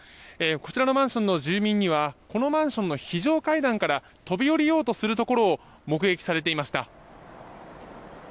こちらのマンションの住民にはこのマンションの非常階段から飛び降りようとするところを目撃されていました。